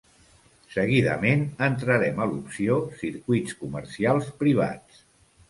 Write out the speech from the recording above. Seguidament entrarem a l'opció "Circuits comercials privats".